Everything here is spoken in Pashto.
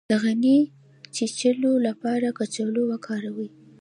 د غڼې د چیچلو لپاره کچالو وکاروئ